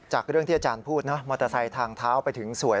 จากเรื่องที่อาจารย์พูดนะมอเตอร์ไซค์ทางเท้าไปถึงสวย